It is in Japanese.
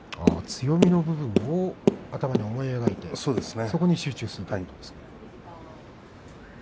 強みの部分を頭に描いてそこに集中するんですね。